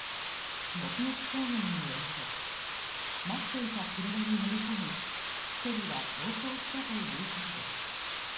目撃証言によると待っていた車に乗り込み１人は逃走したということです。